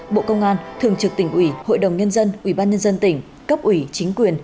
bộ công an thường trực tỉnh ủy hội đồng nhân dân ubnd tỉnh cấp ủy chính quyền